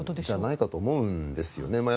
じゃないかと思うんですよね。